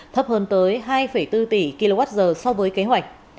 thấp hơn tới hai bốn tỷ kwh so với kế hoạch